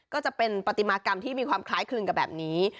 ก็จะเป็นปฏิมากรรมที่มีความคล้ายคลึงกับแบบนี้